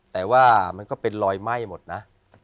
แต่ว่ามันก็เป็นรอยไหม้หมดนะ